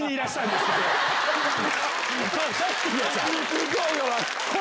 すごいわ！